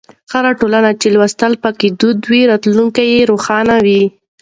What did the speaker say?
هره ټولنه چې لوستل پکې دود وي، راتلونکی یې روښانه وي.